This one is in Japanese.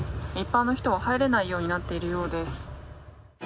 一般の人は入れないようになっているようです。